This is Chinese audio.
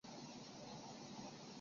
大场真人是日本男性声优。